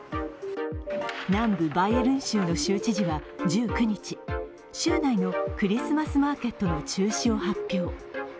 南部バイエルン州の州知事は１９日、州内のクリスマスマーケットの中止を発表。